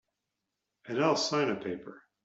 And I'll sign a paper.